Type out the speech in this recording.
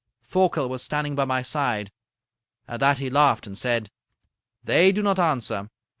"Thorkel was standing by my side. At that he laughed and said: "'They do not answer.